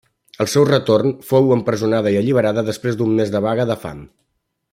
Al seu retorn fou empresonada i alliberada després d'un mes de vaga de fam.